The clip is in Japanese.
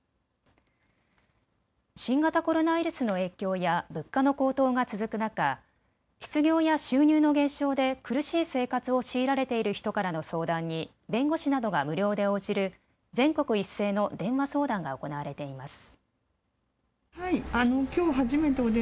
新型コロナウイルスの影響や物価の高騰が続く中、失業や収入の減少で苦しい生活を強いられている人からの相談に弁護士などが無料で応じる全国一斉の電話相談が行われています。